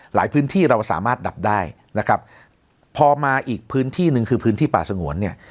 หลายพื้นที่เราสามารถดับได้นะครับพอมาอีกพื้นที่หนึ่งคือพื้นที่ป่าสงวนเนี่ย